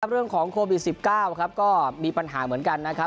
เรื่องของโควิด๑๙ก็มีปัญหาเหมือนกันนะครับ